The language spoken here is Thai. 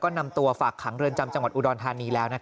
ก็นำตัวฝากขังเรินจำจังหวัดอุดรธานีแล้วนะครับ